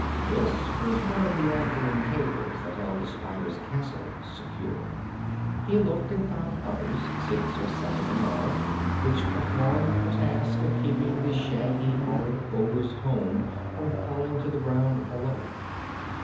This was one of the anchoring cables that held the spider's castle secure. He looked and found others, six or seven in all, which performed the task of keeping the shaggy, horrid ogre's home from falling to the ground below.